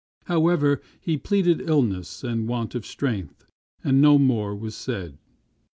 However, he pleaded illness and want of strength, and no more was said.